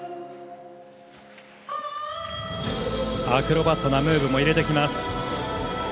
アクロバットなムーブも入れてきます。